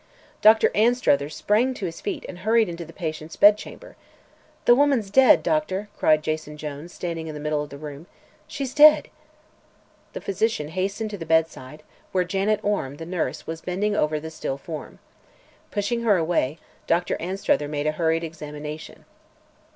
Dr. Anstruther sprang to his feet and hurried into the patient's bedchamber. "The woman's dead, Doctor," cried Jason Jones, standing in the middle of the room. "She's dead!" The physician hastened to the bedside, where Janet Orme, the nurse, was bending over the still form. Pushing her away, Dr. Anstruther made a hurried examination.